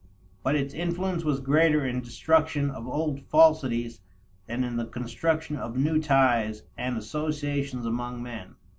But its influence was greater in destruction of old falsities than in the construction of new ties and associations among men.